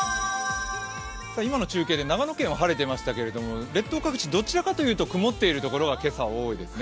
今の中継で長野県は晴れていましたけれども、列島各地、どちらかというと曇っている所が今朝は多いですね。